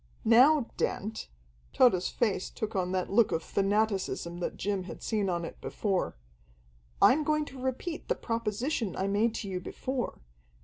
"Now, Dent" Tode's face took on that look of fanaticism that Jim had seen on it before "I'm going to repeat the proposition I made to you before.